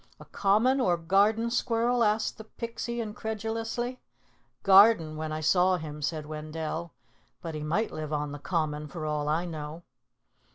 "A common or garden squirrel?" asked the Pixie incredulously. "Garden when I saw him," said Wendell. "But he might live on the Common for all I know."